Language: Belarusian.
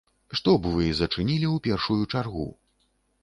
Што б вы зачынілі ў першую чаргу?